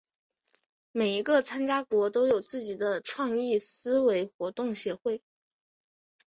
每一个参加国都有自己的创意思维活动协会。